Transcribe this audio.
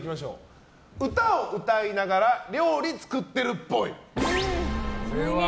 歌を歌いながら料理作ってるっぽい。